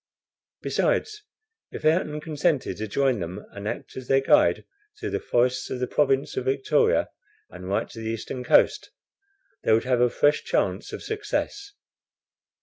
Besides, if Ayrton consented to join them and act as their guide through the forests of the province of Victoria and right to the eastern coast, they would have a fresh chance of success.